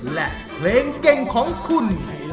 เป็นเกงของคุณ